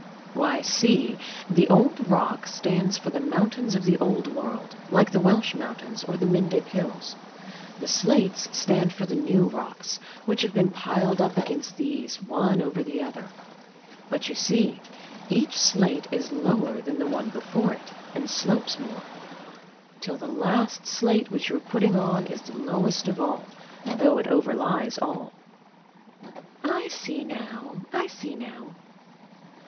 Why, see. The old rock stands for the mountains of the Old World, like the Welsh mountains, or the Mendip Hills. The slates stand for the new rocks, which have been piled up against these, one over the other. But, you see, each slate is lower than the one before it, and slopes more; till the last slate which you are putting on is the lowest of all, though it overlies all. I see now. I see now.